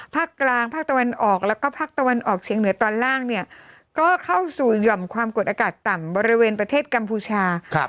ภาคกลางภาคตะวันออกแล้วก็ภาคตะวันออกเชียงเหนือตอนล่างเนี่ยก็เข้าสู่หย่อมความกดอากาศต่ำบริเวณประเทศกัมพูชา